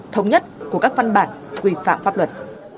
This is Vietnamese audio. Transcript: thống nhất của các văn bản quy phạm pháp luật